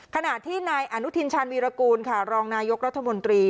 ขณะที่นายอนุทินชาญวีรกูลค่ะรองนายกรัฐมนตรี